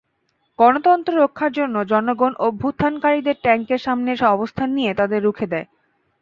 গণতন্ত্র রক্ষার জন্য জনগণ অভ্যুত্থানকারীদের ট্যাংকের সামনে অবস্থান নিয়ে তাঁদের রুখে দেয়।